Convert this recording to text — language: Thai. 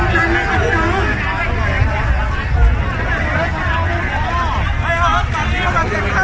สวัสดีครับ